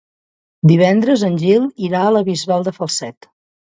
Divendres en Gil irà a la Bisbal de Falset.